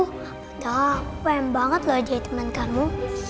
udah aku pengen banget lo ditemankanmu